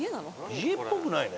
家っぽくないね。